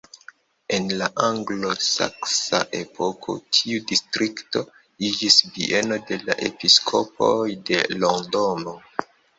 En la anglo-saksa epoko tiu distrikto iĝis bieno de la episkopoj de Londono.